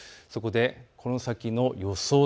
そこでこの先の予想